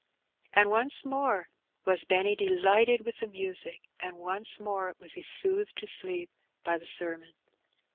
And once more was Benny delighted with the music* and once more was he soothed to sleep by the sermon.